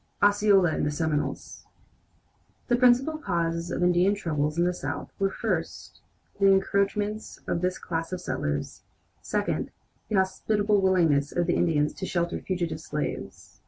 OSCEOLA AND THE SEMINOLES The principal causes of Indian troubles in the South were, first, the encroachments of this class of settlers; second, the hospitable willingness of the Indians to shelter fugitive slaves.